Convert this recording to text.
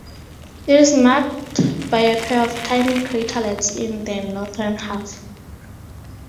It is marked by a pair of tiny craterlets in the northern half.